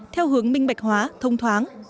theo hướng minh bạch hóa thông thoáng